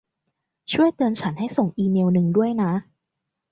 ช่วยเตือนฉันให้ส่งอีเมลล์นึงด้วยนะ